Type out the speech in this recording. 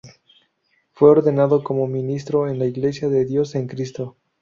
Fue ordenado como ministro en la Iglesia de Dios en Cristo.